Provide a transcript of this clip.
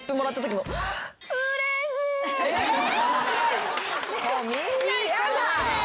もうみんなやだ。